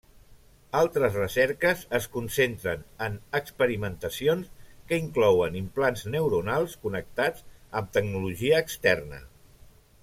Altres recerques es concentren en experimentacions que inclouen implants neuronals connectats amb tecnologia externa.